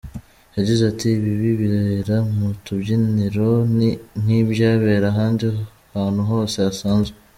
Yagize ati: “Ibibi bibera mu tubyiniro ni nk’ibyabera ahandi hantu hose hasanzwe.